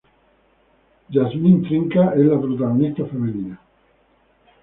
Jasmine Trinca es la protagonista femenina.